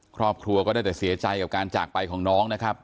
ครอบครัวก็ได้แต่เสียใจกับการจากไปของน้องนะครับ